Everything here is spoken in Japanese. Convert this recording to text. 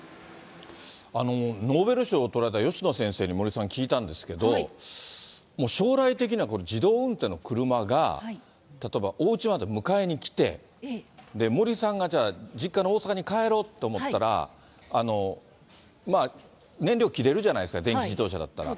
ノーベル賞をとられたよしの先生に森さん、聞いたんですけれども、将来的にはこの自動運転の車が例えばおうちまで迎えに来て、森さんがじゃあ、実家の大阪に帰ろうと思ったら、燃料切れるじゃないですか、電気自動車だったら。